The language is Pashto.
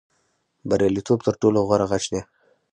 بریالیتوب تر ټولو غوره غچ دی.